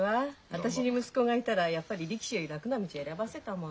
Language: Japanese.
私に息子がいたらやっぱり力士より楽な道選ばせたもの。